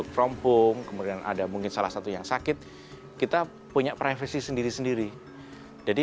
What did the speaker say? from home kemudian ada mungkin salah satu yang sakit kita punya privasi sendiri sendiri jadi